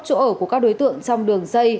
chỗ ở của các đối tượng trong đường dây